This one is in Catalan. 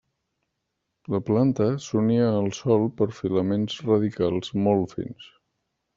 La planta s'unia al sòl per filaments radicals molt fins.